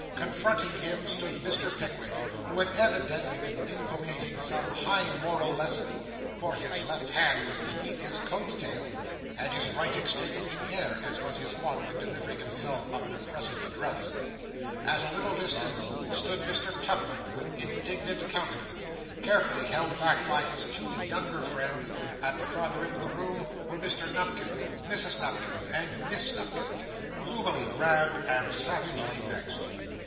Confronting him, stood Mr. Pickwick, who had evidently been inculcating some high moral lesson; for his left hand was beneath his coat tail, and his right extended in air, as was his wont when delivering himself of an impressive address. At a little distance, stood Mr. Tupman with indignant countenance, carefully held back by his two younger friends; at the farther end of the room were Mr. Nupkins, Mrs. Nupkins, and Miss Nupkins, gloomily grand and savagely vexed.